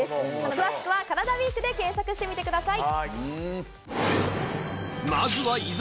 詳しくは「カラダＷＥＥＫ」で検索してみてください。